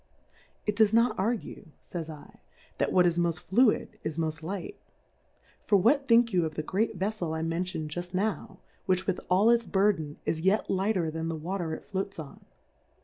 It does not argue, Jays /, that what is mofl: fluid, is mofl: light : For what think you of the great Veflel I mentioned jufl: now, which with all its Burthen is yet lighter than the Water it floats on